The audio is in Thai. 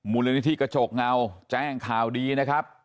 มูลนิธิกระจกเงาแจ้งข่าวดีนะครับ